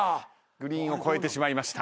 グリーンを越えてしまいました。